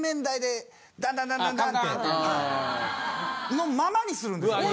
のままにするんですこいつ。